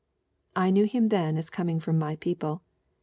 I knew him then as coming from my people.